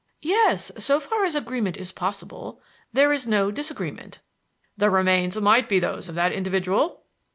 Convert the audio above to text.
"Yes, so far as agreement is possible. There is no disagreement." "The remains might be those of that individual?"